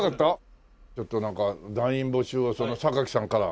ちょっとなんか団員募集を榊さんから。